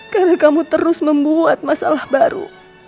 karena kamu terus membuat masalah baru